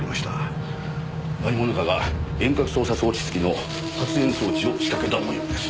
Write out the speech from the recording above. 何者かが遠隔操作装置付きの発煙装置を仕掛けた模様です。